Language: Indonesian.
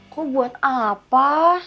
kok buat apa